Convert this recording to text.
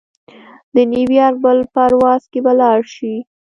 د نیویارک بل پرواز کې به لاړشې.